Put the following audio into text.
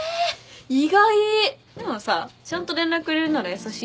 でもさちゃんと連絡くれるなら優しいじゃん。